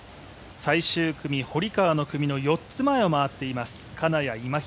最終組、堀川の組の４つ前を回っています、金谷、今平。